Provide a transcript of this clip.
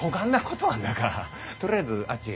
とりあえずあっちへ。